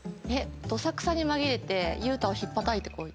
どさくさに紛れて裕太をひっぱたいてこい。